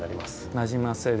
なじませる。